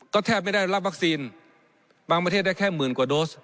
ก็แทบไม่ได้รับวัคซีนบางประเทศได้แค่หมื่นกว่าโดส